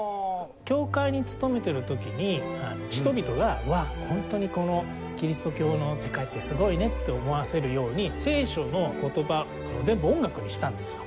教会に勤めてる時に人々が「わあっホントにこのキリスト教の世界ってすごいね」って思わせるように聖書の言葉を全部音楽にしたんですよ。